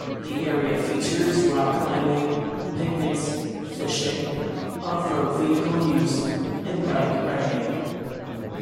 The area features rock climbing, picnics, fishing, off-road vehicle use and bike riding.